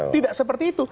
tidak seperti itu